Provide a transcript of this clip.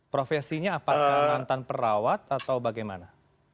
profesinya apakah mantan perawat atau bagaimana